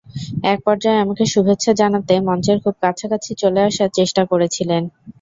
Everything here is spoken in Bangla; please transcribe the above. একপর্যায়ে আমাকে শুভেচ্ছা জানাতে মঞ্চের খুব কাছাকাছি চলে আসার চেষ্টা করেছিলেন।